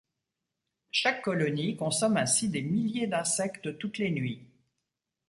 Chaque colonie consomme ainsi des milliers d'insectes toutes les nuits.